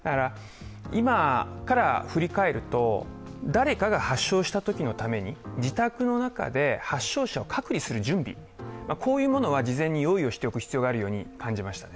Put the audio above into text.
今から振り返ると、誰かが発症したときのために自宅の中で発症者を隔離する準備、こういうものは事前に用意をしておく必要があるように感じました。